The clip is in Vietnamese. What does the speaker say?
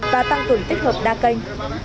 và tăng tưởng tích hợp đa kênh